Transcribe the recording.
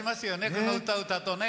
この歌を歌うとね。